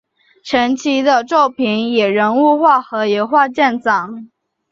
陈奇的作品以人物画和油画见长。